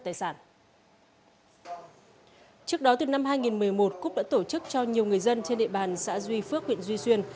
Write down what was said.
trước đó từ năm hai nghìn một mươi một cúc đã tổ chức cho nhiều người dân trên địa bàn xã duy phước huyện duy xuyên